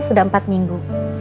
sudah empat minggu